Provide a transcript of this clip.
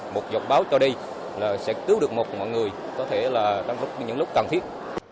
một dọc báo cho đây là sẽ cứu được một mọi người có thể là trong những lúc cần thiết